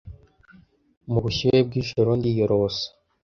Mu bushyuhe bwijoro ndiyorosa